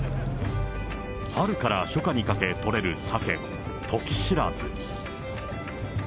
春から初夏にかけ取れるサケ、トキシラズ。